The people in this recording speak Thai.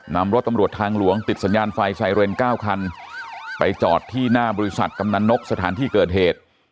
นำรถตำรวจทางหลวงติดสัญญาณไฟไซเรนเก้าคันไปจอดที่หน้าบริษัทกำนันนกสถานที่เกิดเหตุ